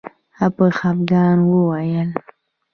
هغه په خفګان وویل